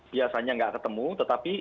biasanya nggak ketemu tetapi